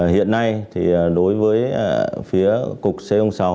hiện nay đối với cục c sáu